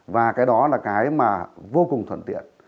và cái đó là cái mà vô cùng thuận tiện